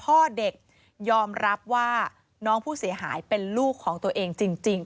โปรดติดตามต่างกรรมโปรดติดตามต่างกรรม